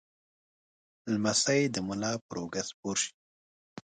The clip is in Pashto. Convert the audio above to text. لمسی د ملا پر اوږه سپور شي.